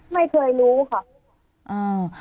ไม่เคยรู้ค่ะ